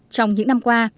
trong những năm qua